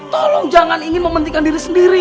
tolong jangan ingin mementingkan diri sendiri